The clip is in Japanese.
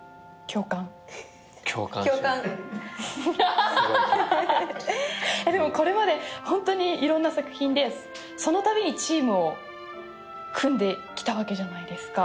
共感ハハハハすごい共感えっでもこれまでホントに色んな作品でそのたびにチームを組んできたわけじゃないですか・